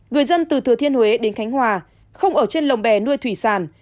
người dân từ thừa thiên huế đến khánh hòa không ở trên lồng bè nuôi thủy sản